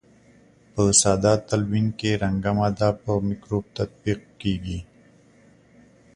په ساده تلوین کې رنګه ماده په مکروب تطبیق کیږي.